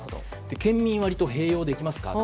県民割と併用できますか。